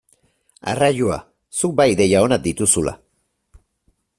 Arraioa, zuk bai ideia onak dituzula!